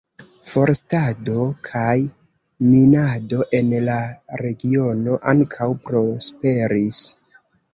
Forstado kaj minado en la regiono ankaŭ prosperis.